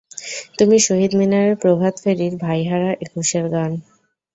তুমি শহীদ মিনারে প্রভাত ফেরীর, ভাই হারা একুশের গান।